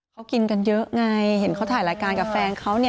เขากินกันเยอะไงเห็นเขาถ่ายรายการกับแฟนเขา